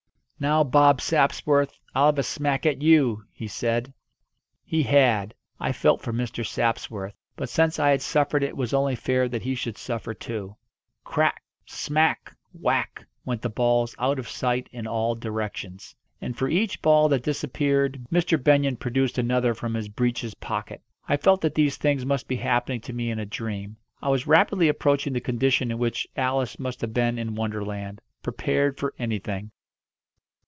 "Now, Bob Sapsworth, I'll have a smack at you!" he said. He had. I felt for Mr. Sapsworth. But since I had suffered it was only fair that he should suffer too. Crack smack whack went the balls out of sight in all directions. And for each ball that disappeared Mr. Benyon produced another from his breeches pocket. I felt that these things must be happening to me in a dream. I was rapidly approaching the condition in which Alice must have been in Wonderland prepared for anything.